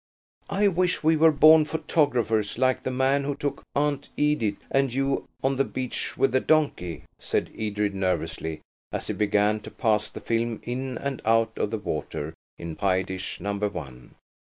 "I wish we were born photographers like the man who took Aunt Edith and you on the beach with the donkey," said Edred nervously, as he began to pass the film in and out of the water in pie dish Number One.